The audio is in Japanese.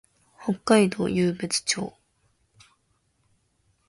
北海道湧別町